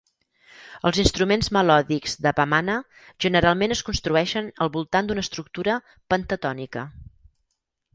Els instruments melòdics de Bamana generalment es construeixen al voltant d'una estructura pentatònica.